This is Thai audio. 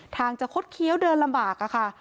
ทางจะคดเคี้ยวเดินลำบากค่ะ